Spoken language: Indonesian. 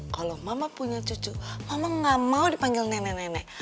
kalau mama punya cucu mama gak mau dipanggil nenek nenek